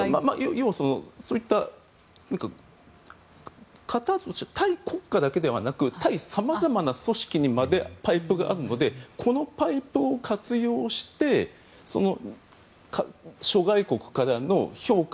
要はそういった対国家だけではなく対様々な組織にまでパイプがあるのでこのパイプを活用して諸外国からの評価